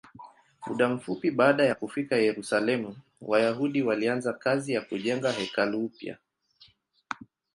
Muda mfupi baada ya kufika Yerusalemu, Wayahudi walianza kazi ya kujenga hekalu upya.